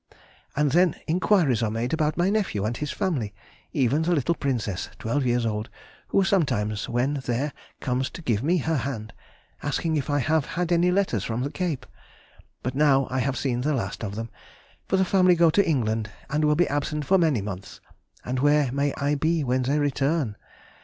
and then inquiries are made about my nephew and his family; even the little princess, twelve years old, who sometimes when there, comes to give me her hand, asking if I have had any letters from the Cape; but now I have seen the last of them, for the family go to England, and will be absent for many months, and where may I be when they return?